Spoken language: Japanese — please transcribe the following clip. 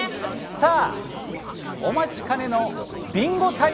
「さあお待ちかねのビンゴ大会！」。